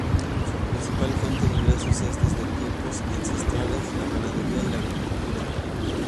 Su principal fuente de ingresos es desde tiempos ancestrales la ganadería y la agricultura.